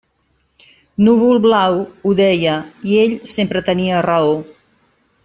Núvol-Blau ho deia i ell sempre tenia raó.